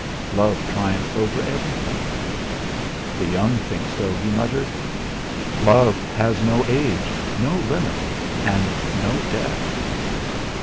"Love triumphs over everything!" "The young think so," he muttered. "Love has no age, no limit, and no death."